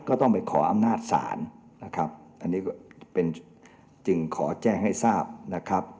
ก็ต้องไปขออำนาจศาลนะครับอันนี้ก็เป็นจึงขอแจ้งให้ทราบนะครับ